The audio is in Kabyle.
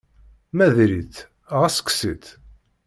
Ma diri-tt, ɣas kkes-itt.